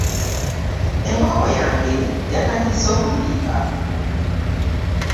Enkoko yange yatandise okubiika.